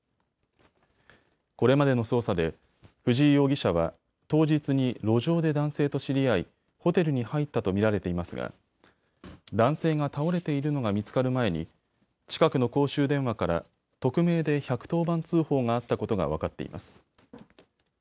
これまでの捜査で藤井容疑者は当日に路上で男性と知り合いホテルに入ったと見られていますが男性が倒れているのが見つかる前に近くの公衆電話から匿名で１１０番通報があったことが分かっています。